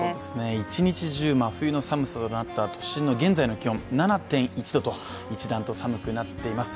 一日中真冬の寒さとなった都心の現在の気温７．１度と一段と寒くなっています。